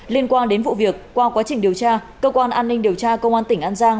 liên quan đến vụ việc qua quá trình điều tra cơ quan an ninh điều tra công an tỉnh an giang